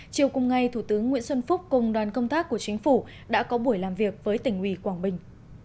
chiều cùng ngày thủ tướng nguyễn xuân phúc cùng đoàn công tác của chính phủ đã có buổi làm việc với tỉnh ủy quảng bình